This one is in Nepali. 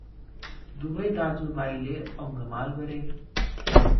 दुवै दाजुभाइले अङ्कमाल गरे ।